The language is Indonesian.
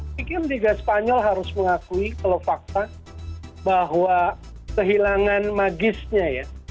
saya pikir liga spanyol harus mengakui kalau fakta bahwa kehilangan magisnya ya